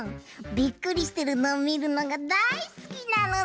びっくりしてるのをみるのがだいすきなのだ！